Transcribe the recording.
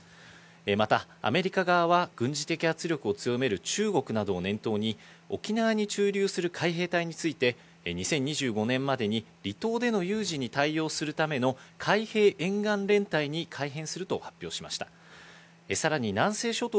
またアメリカ側は軍事的圧力を強める中国などを念頭に、沖縄に駐留する海兵隊について２０２５年までに離島での有事に対応するための海兵沿岸連隊に改編すると発表しました。